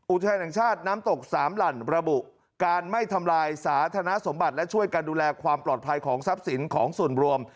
อุทยานแห่งชาติน้ำตกสามหลั่นระบุการไม่ทำลายสาธารณสมบัติและช่วยการดูแลความปลอดภัยของทรัพย์สินของส่วนรวม